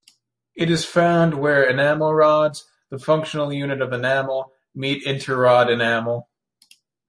It is found where enamel rods, the functional unit of enamel, meet interrod enamel.